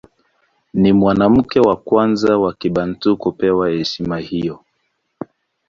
Ni mwanamke wa kwanza wa Kibantu kupewa heshima hiyo.